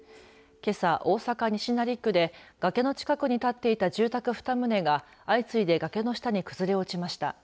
けさ、大阪西成区でがけの近くに建っていた住宅２棟が相次いで崖の下に崩れ落ちました。